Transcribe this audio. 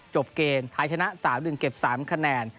จบเกมไทยชนะ๓๑เก็บ๓คะแนน